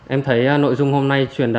em thấy nội dung hôm nay truyền đại